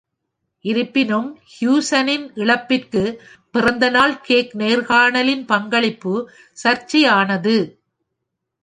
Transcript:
இருப்பினும், ஹியூஸனின் இழப்பிற்கு பிறந்த நாள் கேக் நேர்காணலின் பங்களிப்பு சர்ச்சையானது.